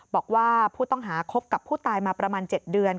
บอกว่าผู้ต้องหาคบกับผู้ตายมาประมาณ๗เดือน